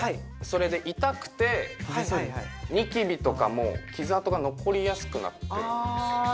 それで痛くてにきびとかも傷痕が残りやすくなってるんですよね